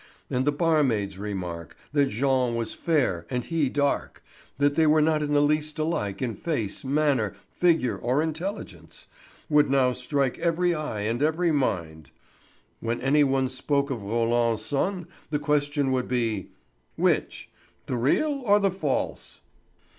And the barmaid's remark that Jean was fair and he dark, that they were not in the least alike in face, manner, figure, or intelligence, would now strike every eye and every mind. When any one spoke of Roland's son, the question would be: "Which, the real or the false?"